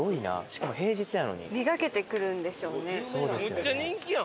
めっちゃ人気やん！